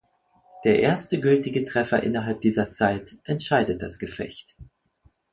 Der erste gültige Treffer innerhalb dieser Zeit entscheidet das Gefecht.